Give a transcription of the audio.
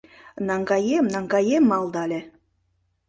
«Наҥгаем, наҥгаем!» малдале.